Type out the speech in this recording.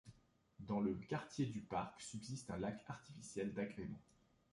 Dans le quartier du parc subsiste un lac artificiel d’agrément.